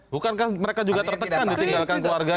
bukan kan mereka juga tertekan ditinggalkan keluarganya